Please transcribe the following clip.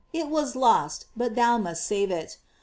it was lost, but thou must save it.